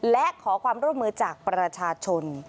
และขอความร่วมมือจากประชาชน